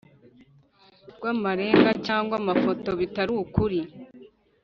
Rw amarenga cyangwa amafoto bitari ukuri